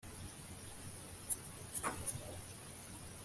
gukoresha inyandiko mpimbano no gukangurira abaturage kwanga ubutegetsi buriho